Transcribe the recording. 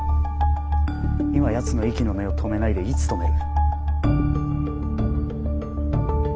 今やつの息の根を止めないでいつ止める？